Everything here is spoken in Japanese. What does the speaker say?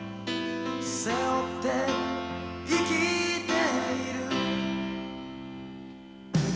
「背負って生きている」